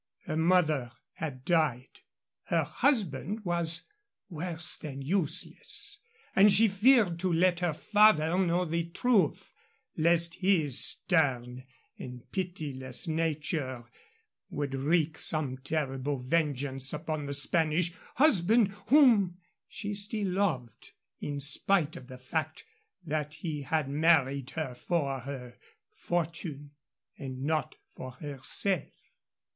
Her mother had died, her husband was worse than useless, and she feared to let her father know the truth, lest his stern and pitiless nature would wreak some terrible vengeance upon the Spanish husband, whom she still loved, in spite of the fact that he had married her for her fortune and not for herself.